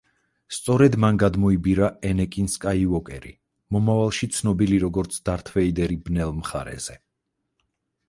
სწორედ მან გადმოიბირა ენეკინ სკაიუოკერი, მომავალში ცნობილი როგორც დართ ვეიდერი ბნელ მხარეზე.